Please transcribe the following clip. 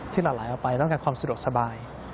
ที่หลายเอาไปต้องการความสะดวกสบาย